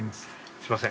すいません。